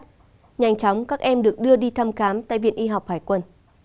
nhanh chóng các em được đưa đi thăm khám tại viện y học hải quân